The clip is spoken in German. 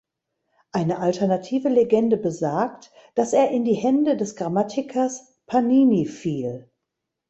Eine alternative Legende besagt, dass er in die Hände des Grammatikers Panini fiel.